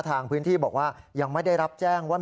ทางพื้นที่บอกว่ายังไม่ได้รับแจ้งว่า